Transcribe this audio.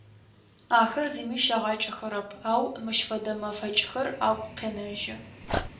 Ахэр зыми щагъакӏэхэрэп, ау мыщ фэдэ мэфэкӏхэр агу къенэжьы.